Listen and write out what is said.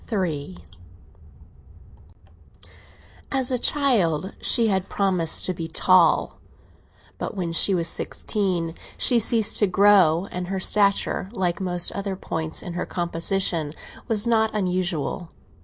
III AS a child she had promised to be tall, but when she was sixteen she ceased to grow, and her stature, like most other points in her composition, was not unusual.